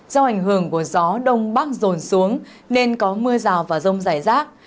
do ảnh hưởng của gió đông bắc rồn xuống nên có mưa rào và rông rải rác